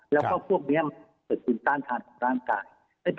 แล้วก็พวกนี้เกิดภูมิต้านทานของร่างกาย